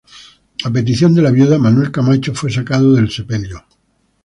A petición de la viuda, Manuel Camacho fue sacado del sepelio.